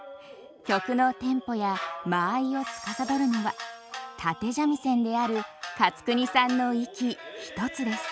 曲のテンポや間合いをつかさどるのは立三味線である勝国さんの息一つです。